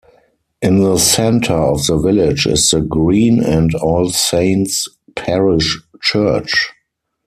In the centre of the village is the green and All Saints' parish church.